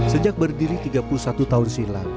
sejak berdiri tiga puluh satu tahun silam